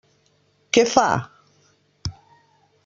Què fa?